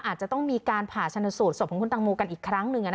อาจจะต้องมีการผ่าชนสูตรศพของคุณตังโมกันอีกครั้งหนึ่ง